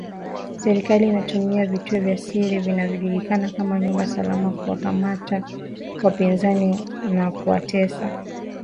serikali inatumia vituo vya siri vinavyojulikana kama nyumba salama kuwakamata wapinzani na kuwatesa mateka